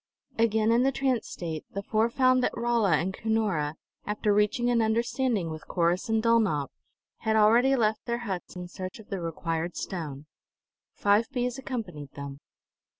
Again in the trance state, the four found that Rolla and Cunora, after reaching an understanding with Corrus and Dulnop, had already left their huts in search of the required stone. Five bees accompanied them.